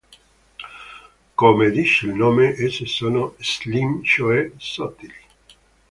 Come dice il nome, esse sono slim, cioè "sottili".